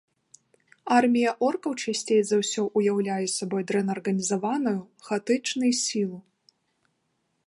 Армія оркаў часцей за ўсё ўяўляе сабой дрэнна арганізаваную, хаатычнай сілу.